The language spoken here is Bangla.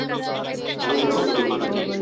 আমি কিছু করি নি!